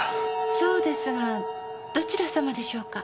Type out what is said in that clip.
そうですがどちら様でしょうか？